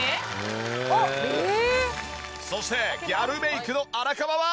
そしてギャルメイクの荒川は。